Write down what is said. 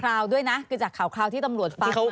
ราวด้วยนะคือจากข่าวที่ตำรวจฟัง